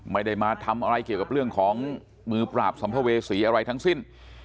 ไม่ได้มาทำอะไรเกี่ยวกับเรื่องของมือปราบสัมภเวษีอะไรทั้งสิ้น